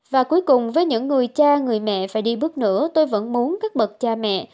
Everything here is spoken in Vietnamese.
và cuối cùng với những người cha người mẹ phải đi bước nữa tôi vẫn muốn các bậc cha mẹ